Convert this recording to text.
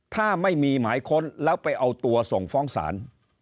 ถ้าไม่มีหมายค้นแล้วไปเอาตัวส่งฟ้องศาล